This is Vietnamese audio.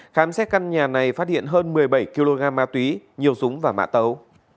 khám xét căn nhà này phát hiện hơn một mươi bảy kg ma túy nhiều súng và mã tấu